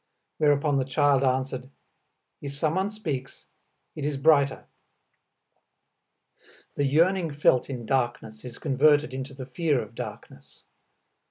Whereupon the child answered, "If someone speaks, it is brighter." The yearning felt in darkness is converted into the fear of darkness.